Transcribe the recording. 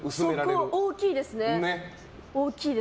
そこ、大きいですね。